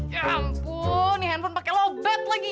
ya ampun ini handphone pake lobet lagi